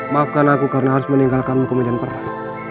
maafkan aku karena harus meninggalkanmu kemudian perang